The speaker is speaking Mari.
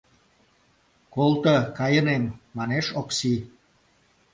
Колто, кайынем, — манеш Окси.